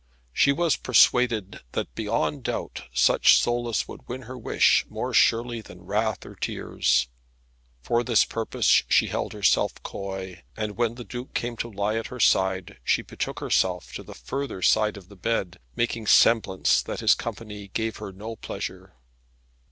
She was persuaded that, beyond doubt, such solace would win her wish more surely than wrath or tears. For this purpose she held herself coy, and when the Duke came to lie at her side she betook herself to the further side of the bed, making semblance that his company gave her no pleasure.